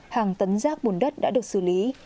hàng tấn rác bùn đất đã được xử lý